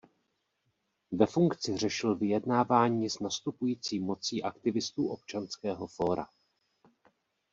Ve funkci řešil vyjednávání s nastupující mocí aktivistů Občanského fóra.